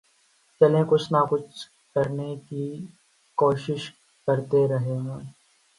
چلیں کچھ نہ کچھ کرنیں کی کیںشش کرتیں ہیں وہاں